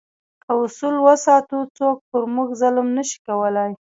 که اصول وساتو، څوک پر موږ ظلم نه شي کولای.